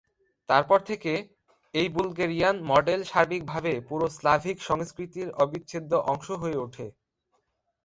তারপর থেকে, এই বুলগেরিয়ান মডেল সার্বিকভাবে পুরো স্লাভিক সংস্কৃতির অবিচ্ছেদ্য অংশ হয়ে ওঠে।